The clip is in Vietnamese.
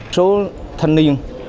số thanh niên